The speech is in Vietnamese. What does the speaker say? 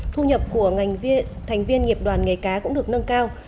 thu nhập của ngành viên thành viên nghiệp đoàn nghề cái cũng được nâng cao